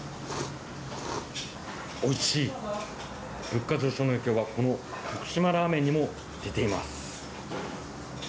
物価上昇の影響がこの徳島ラーメンにも出ています。